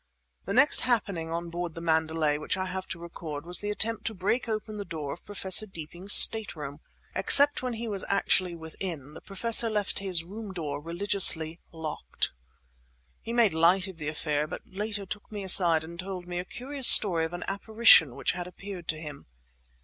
The next happening on board the Mandalay which I have to record was the attempt to break open the door of Professor Deeping's stateroom. Except when he was actually within, the Professor left his room door religiously locked. He made light of the affair, but later took me aside and told me a curious story of an apparition which had appeared to him.